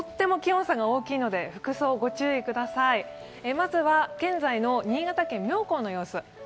まずは現在の新潟県妙高の様子。